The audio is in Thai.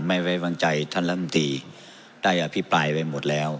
ไม่ไว้วางใจท่านลำตีได้อภิปรายไว้หมดแล้ว